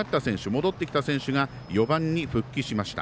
戻ってきた選手が４番に復帰しました。